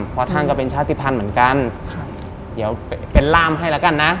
เพราะท่านก็เป็นชาติภัณฑ์เหมือนกันเดี๋ยวเป็นร่ามให้แล้วกันนะ